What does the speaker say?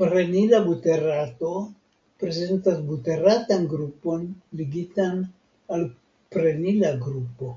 Prenila buterato prezentas buteratan grupon ligitan al prenila grupo.